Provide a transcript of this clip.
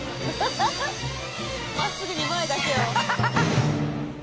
まっすぐに前だけを。